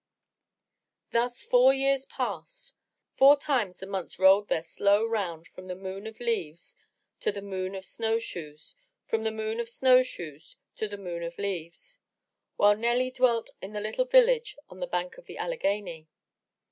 Thus four years passed by; four times the months rolled their slow round from the Moon of Leaves to the Moon of Snow shoes, from the Moon of Snow shoes to the Moon of Leaves, while Nelly dwelt in the little village on the banks of the Alleghany.